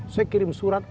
saya kirim surat